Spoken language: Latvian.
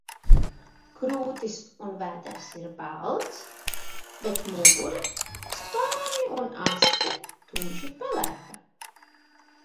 Krūtis un vēders ir balts, bet mugura, spārni un aste tumši pelēka.